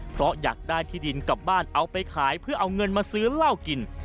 เพราะอยากได้ที่ดินกลับบ้านเอาไปขายเพื่อเอาเงินมาซื้อเหล้ากิน